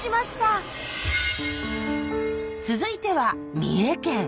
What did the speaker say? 続いては三重県。